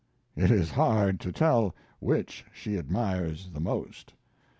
It is hard to tell which she admires the most.